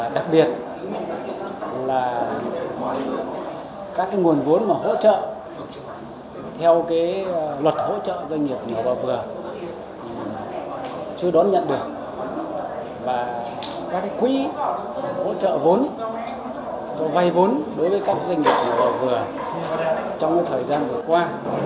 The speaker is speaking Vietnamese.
đặc biệt là các nguồn vốn mà hỗ trợ theo luật hỗ trợ doanh nghiệp nhỏ và vừa